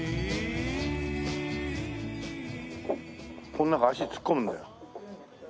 この中足突っ込むんだよ。